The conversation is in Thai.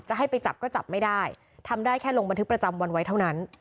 ให้ไปจับก็จับไม่ได้ทำได้แค่ลงบันทึกประจำวันไว้เท่านั้น